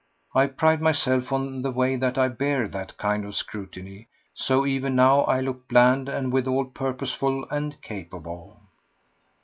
I pride myself on the way that I bear that kind of scrutiny, so even now I looked bland and withal purposeful and capable.